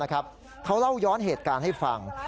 เขาเล่าย้อนเหตุการณ์ให้ฟัง